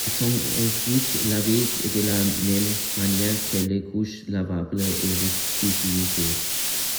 Ils sont ensuite lavés de la même manière que les couches lavables et réutilisés.